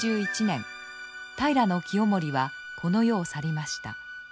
平清盛はこの世を去りました。